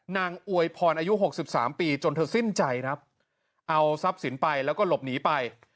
อวยพรอายุหกสิบสามปีจนเธอสิ้นใจครับเอาทรัพย์สินไปแล้วก็หลบหนีไป